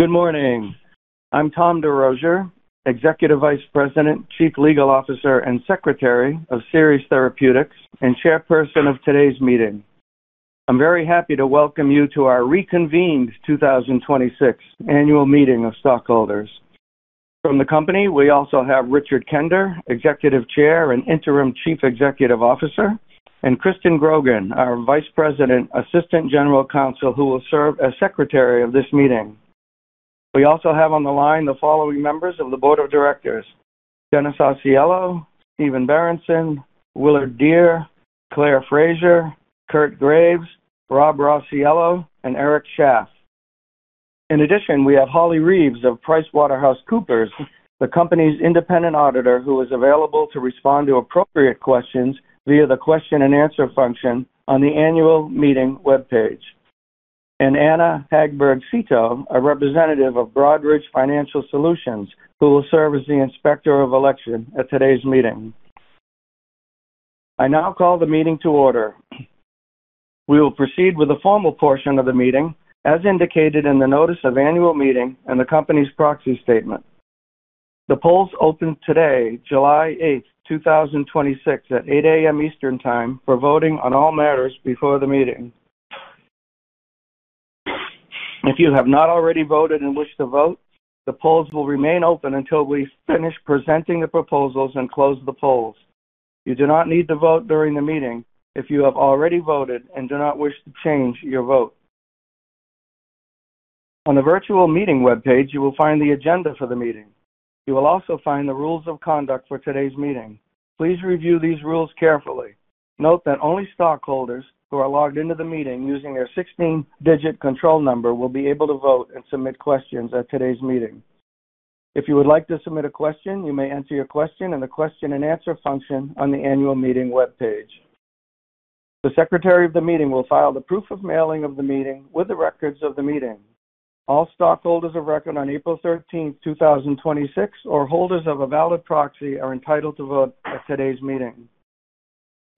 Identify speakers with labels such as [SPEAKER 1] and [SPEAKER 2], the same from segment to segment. [SPEAKER 1] Good morning. I'm Tom DesRosier, Executive Vice President, Chief Legal Officer, and Secretary of Seres Therapeutics, and Chairperson of today's meeting. I'm very happy to welcome you to our reconvened 2026 Annual Meeting of Stockholders. From the company, we also have Richard Kender, Executive Chair and Interim Chief Executive Officer, and Kristen Grogan, our Vice President, Assistant General Counsel, who will serve as Secretary of this meeting. We also have on the line the following members of the Board of Directors: Dennis Ausiello, Stephen Berenson, Willard Dere, Claire Fraser, Kurt Graves, Rob Rosiello, and Eric Shaff. In addition, we have Holly Reeves of PricewaterhouseCoopers, the company's independent auditor, who is available to respond to appropriate questions via the question-and-answer function on the Annual Meeting webpage; and Anna Hagberg-Cito, a representative of Broadridge Financial Solutions, who will serve as the Inspector of Election at today's meeting. I now call the meeting to order. We will proceed with the formal portion of the meeting as indicated in the notice of annual meeting and the company's proxy statement. The polls opened today, July 8th, 2026, at 8:00 A.M. Eastern Time for voting on all matters before the meeting. If you have not already voted and wish to vote, the polls will remain open until we finish presenting the proposals and close the polls. You do not need to vote during the meeting if you have already voted and do not wish to change your vote. On the virtual meeting webpage, you will find the agenda for the meeting. You will also find the rules of conduct for today's meeting. Please review these rules carefully. Note that only stockholders who are logged into the meeting using their 16-digit control number will be able to vote and submit questions at today's meeting. If you would like to submit a question, you may enter your question in the question-and-answer function on the Annual Meeting webpage. The Secretary of the meeting will file the proof of mailing of the meeting with the records of the meeting. All stockholders of record on April 13th, 2026, or holders of a valid proxy are entitled to vote at today's meeting.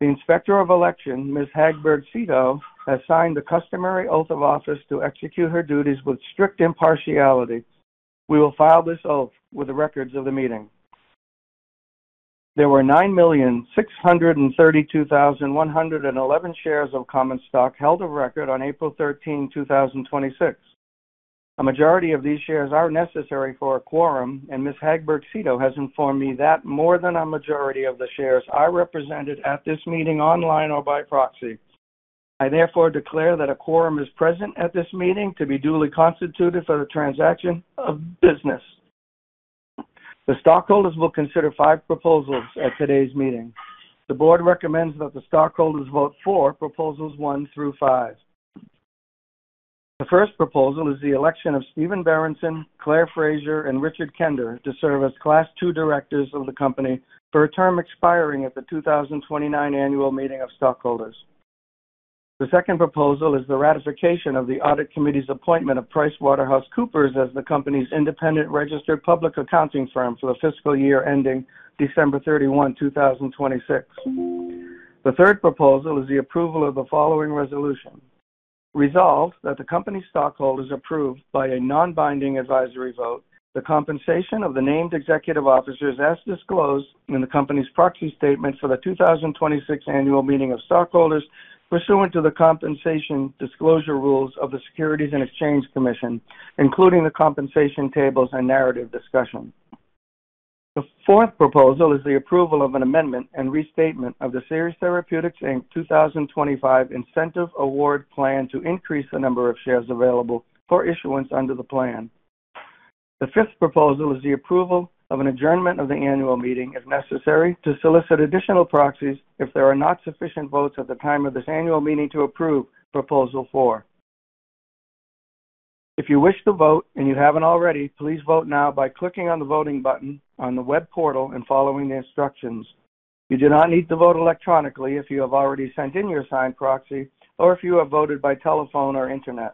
[SPEAKER 1] The Inspector of Election, Ms. Hagberg-Cito, has signed the customary oath of office to execute her duties with strict impartiality. We will file this oath with the records of the meeting. There were 9,632,111 shares of common stock held of record on April 13, 2026. A majority of these shares are necessary for a quorum, and Ms. Hagberg-Cito has informed me that more than a majority of the shares are represented at this meeting online or by proxy. I therefore declare that a quorum is present at this meeting to be duly constituted for the transaction of business. The stockholders will consider five proposals at today's meeting. The board recommends that the stockholders vote for proposals one through five. The first proposal is the election of Stephen Berenson, Claire Fraser, and Richard Kender to serve as Class II Directors of the company for a term expiring at the 2029 Annual Meeting of Stockholders. The second proposal is the ratification of the Audit Committee's appointment of PricewaterhouseCoopers as the company's independent registered public accounting firm for the fiscal year ending December 31, 2026. The third proposal is the approval of the following resolution. Resolved, that the company's stockholders approve by a non-binding advisory vote the compensation of the named executive officers as disclosed in the company's proxy statement for the 2026 Annual Meeting of Stockholders pursuant to the compensation disclosure rules of the Securities and Exchange Commission, including the compensation tables and narrative discussion. The fourth proposal is the approval of an amendment and restatement of the Seres Therapeutics, Inc 2025 Incentive Award Plan to increase the number of shares available for issuance under the plan. The fifth proposal is the approval of an adjournment of the annual meeting, if necessary, to solicit additional proxies if there are not sufficient votes at the time of this annual meeting to approve proposal four. If you wish to vote and you haven't already, please vote now by clicking on the voting button on the web portal and following the instructions. You do not need to vote electronically if you have already sent in your signed proxy or if you have voted by telephone or internet.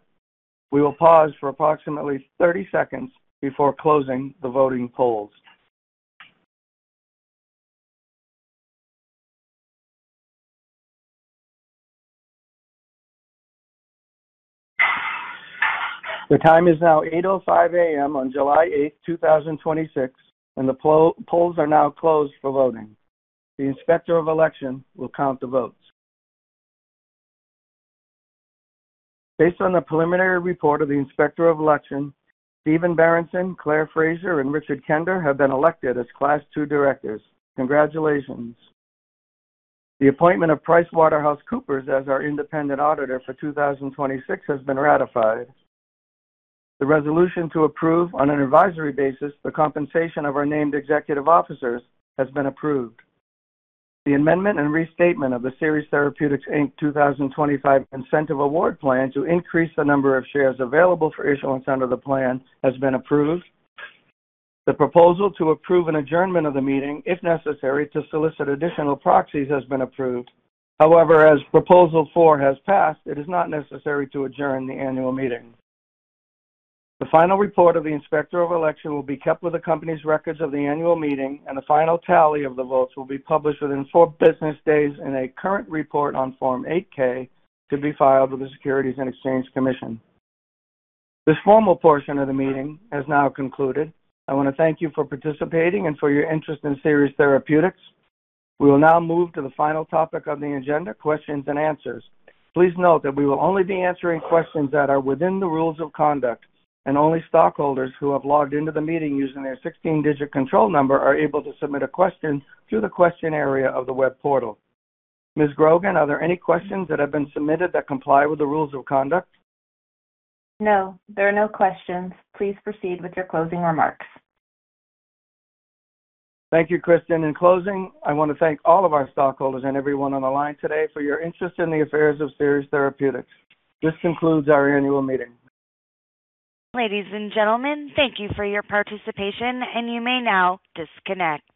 [SPEAKER 1] We will pause for approximately 30 seconds before closing the voting polls. The time is now 8:05 A.M. on July 8th, 2026, and the polls are now closed for voting. The Inspector of Election will count the votes. Based on the preliminary report of the Inspector of Election, Stephen Berenson, Claire Fraser, and Richard Kender have been elected as Class II Directors. Congratulations. The appointment of PricewaterhouseCoopers as our independent auditor for 2026 has been ratified. The resolution to approve, on an advisory basis, the compensation of our named executive officers has been approved. The amendment and restatement of the Seres Therapeutics, Inc 2025 Incentive Award Plan to increase the number of shares available for issuance under the plan has been approved. The proposal to approve an adjournment of the meeting, if necessary, to solicit additional proxies, has been approved. However, as proposal four has passed, it is not necessary to adjourn the annual meeting. The final report of the Inspector of Election will be kept with the company's records of the annual meeting, and a final tally of the votes will be published within four business days in a current report on Form 8-K to be filed with the Securities and Exchange Commission. This formal portion of the meeting has now concluded. I want to thank you for participating and for your interest in Seres Therapeutics. We will now move to the final topic of the agenda, questions and answers. Please note that we will only be answering questions that are within the rules of conduct, and only stockholders who have logged into the meeting using their 16-digit control number are able to submit a question through the question area of the web portal. Ms. Grogan, are there any questions that have been submitted that comply with the rules of conduct?
[SPEAKER 2] No, there are no questions. Please proceed with your closing remarks.
[SPEAKER 1] Thank you, Kristen. In closing, I want to thank all of our stockholders and everyone on the line today for your interest in the affairs of Seres Therapeutics. This concludes our annual meeting.
[SPEAKER 3] Ladies and gentlemen, thank you for your participation, and you may now disconnect.